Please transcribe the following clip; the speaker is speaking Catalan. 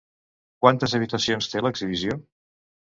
Quantes habitacions té l'exhibició?